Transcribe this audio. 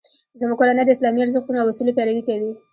زموږ کورنۍ د اسلامي ارزښتونو او اصولو پیروي کوي